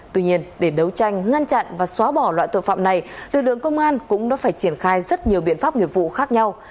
tuy nhiên để đấu tranh ngăn chặn và xóa bỏ loại tội phạm này lực lượng công an cũng đã phải triển khai rất nhiều biện pháp nghiệp vụ khác nhau